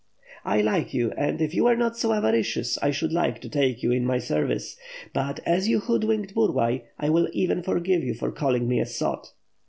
"I like you; and, if you were not so avaricious, I should like to take you into my service. But, as you hoodwinked Burlay, I will even forgive you for calling me a sot."